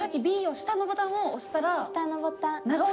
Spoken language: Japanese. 下のボタンを押したら長押し。